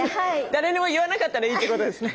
誰にも言わなかったらいいってことですね。